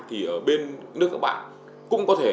thì ở bên nước các bạn cũng có thể